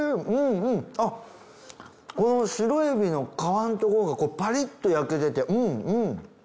あっこのシロエビの殻のところがパリッと焼けててうんうん。